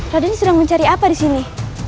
radin sedang mencari apa disini